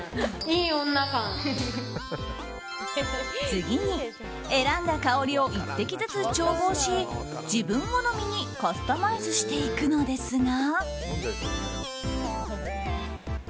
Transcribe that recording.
次に、選んだ香りを１滴ずつ調合し自分好みにカスタマイズしていくのですが。